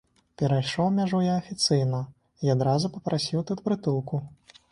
Перайшоў мяжу я афіцыйна і адразу папрасіў тут прытулку.